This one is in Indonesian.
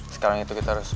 sekarang itu kita harus